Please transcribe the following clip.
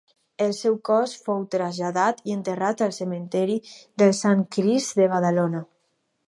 El seu cos fou traslladat i enterrat al Cementiri del Sant Crist de Badalona.